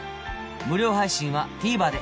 無料配信は ＴＶｅｒ で。